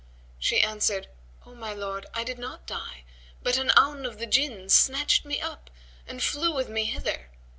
She answered, "O my lord, I did not die; but an Aun[FN#122] of the Jinn snatched me up and dew with me hither.